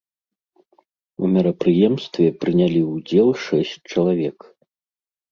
У мерапрыемстве прынялі ўдзел шэсць чалавек.